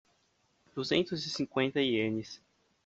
Duzentos e cinquenta ienes